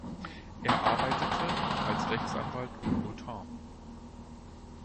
Er arbeitete als Rechtsanwalt und Notar.